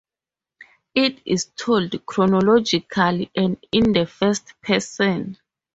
It is told chronologically and in the first person.